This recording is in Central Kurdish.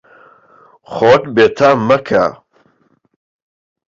خۆت بێتام مەکە.